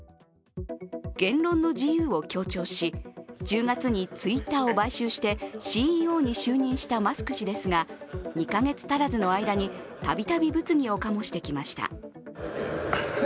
言論の自由を強調し、１０月にＴｗｉｔｔｅｒを買収してＣＥＯに就任したマスク氏ですが、２か月足らずの間にたびたび物議を醸してきました。